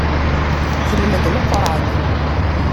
Telmed Leqran.